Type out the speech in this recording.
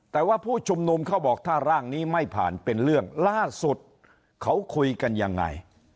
แต่ว่าผู้ชุมนุมเขาบอกถ้าร่างนี้ไม่ผ่านเป็นเรื่องล่าสุดเขาคุยกันยังไง